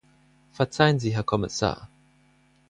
Verzeihen Sie, Herr Kommissar!